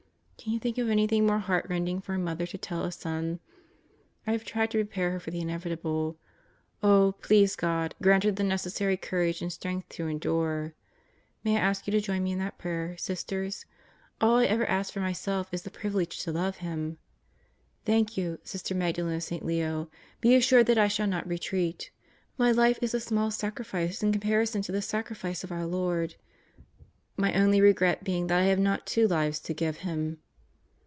Can you think of anything more heart rending for a 1 mother to tell a son? I have tried to prepare her for the inevitable. Oh, please God, grant her the necessary courage and strength to endure. May I ask you to join me in that prayer, Sisters? All I ever ask for myself is the privilege to love Him. Thank you, Sister Magdalen of St. Leo. Be assured that I shall not retreat. My life is a small sacrifice in comparison to the sacrifice of our Lord, My only regret being that I have not two lives to give him.